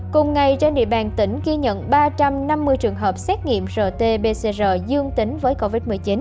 cùng ngày trên địa bàn tỉnh ghi nhận ba trăm năm mươi trường hợp xét nghiệm rt pcr dương tính với covid một mươi chín